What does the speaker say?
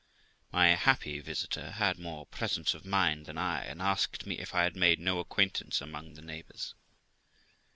My happy visitor had more presence of mind than I, and asked me if I had made no acquaintance among the neighbours.